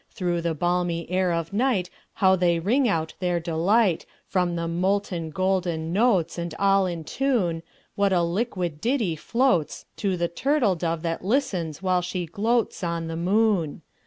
Through the balmy air of nightHow they ring out their delight! From the molten golden notes, And all in tune, What a liquid ditty floatsTo the turtle dove that listens, while she gloatsOn the moon!